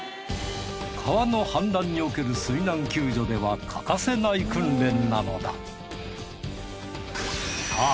川の氾濫における水難救助では欠かせない訓練なのださあ